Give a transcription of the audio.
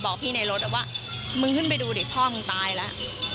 บอกพี่ในรถว่ามึงขึ้นไปดูดิพ่อมึงตายแล้ว